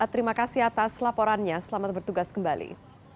terima kasih atas laporannya selamat bertugas kembali